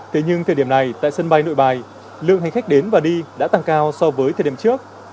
thế nhưng thời điểm này tại sân bay nội bài lượng hành khách đến và đi đã tăng cao so với thời điểm trước